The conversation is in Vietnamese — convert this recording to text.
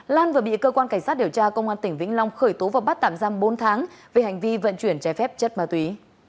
lan vừa bị cơ quan cảnh sát điều tra công an tỉnh vĩnh long khởi tố và bắt tạm giam bốn tháng về hành vi vận chuyển trái phép chất ma túy